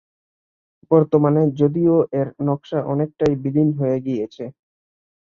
বর্তমানে যদিও এর নকশা অনেকটাই বিলীন হয়ে গিয়েছে।